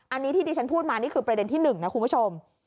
อันนี้ที่ดิฉันพูดมานี่คือประเด็นที่๑นะคุณผู้ชม